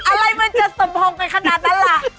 อะไรมันจะสมพงษ์กันขนาดนั้นล่ะ